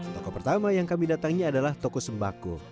toko pertama yang kami datangi adalah toko sembako